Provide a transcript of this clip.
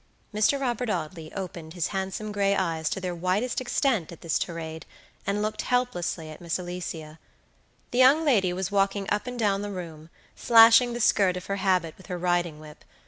Mr. Robert Audley opened his handsome gray eyes to their widest extent at this tirade, and looked helplessly at Miss Alicia. The young lady was walking up and down the room, slashing the skirt of her habit with her riding whip.